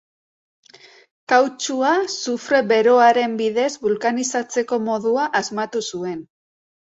Kautxua sufre beroaren bidez bulkanizatzeko modua asmatu zuen.